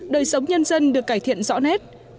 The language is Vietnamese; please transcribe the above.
đời sống nhân dân được cải thiện rõ nét